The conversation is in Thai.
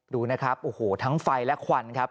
ดูนะครับทั้งไฟและขวัญครับ